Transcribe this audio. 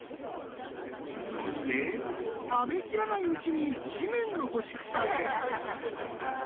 そして食べきらないうちに地面の干し草へ。